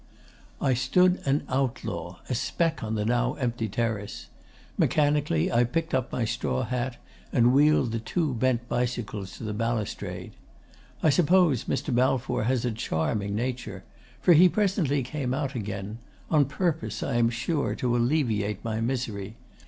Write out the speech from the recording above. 'I stood an outlaw, a speck on the now empty terrace. Mechanically I picked up my straw hat, and wheeled the two bent bicycles to the balustrade. I suppose Mr. Balfour has a charming nature. For he presently came out again on purpose, I am sure, to alleviate my misery.